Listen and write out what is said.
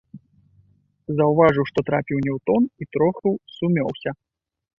Заўважыў, што трапіў не ў тон, і троху сумеўся.